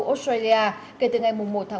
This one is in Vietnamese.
australia kể từ ngày một một hai nghìn hai mươi hai